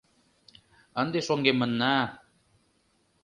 Ынде шоҥгемынна.